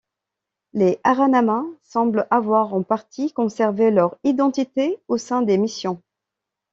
Les Aranamas semblent avoir en partie conservé leur identité au sein des missions.